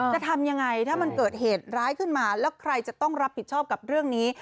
จะทำยังไงถ้ามันเกิดเหตุร้ายขึ้นมาแล้วใครจะต้องรับผิดชอบกับเรื่องนี้